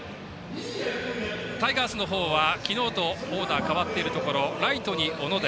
タイガースの方は昨日とオーダー変わっているところライトに小野寺。